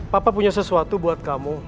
papa punya sesuatu buat kamu